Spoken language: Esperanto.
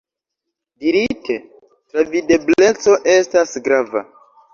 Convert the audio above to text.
Dirite, travidebleco estas grava.